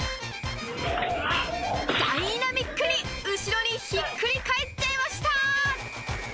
ダイナミックに後ろにひっくり返っちゃいました！